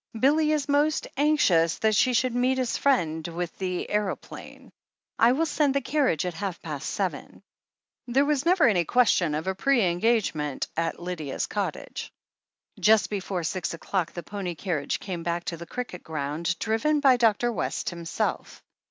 "Billy is most anxious that she should meet his friend with the aero plane. I will send the carriage at half past seven." There was never any question of a pre engagement at Lydia's cottage. Just before six o'clock the pony carriage came back to the cricket ground, driven by Dr. West himself.